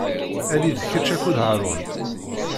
Ali-d kečč akked Haṛun.